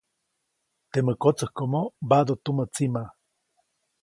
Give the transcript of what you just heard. Temä kotsäjkomo mbaʼduʼt tukaʼy tsima.